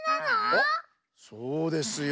おっそうですよ。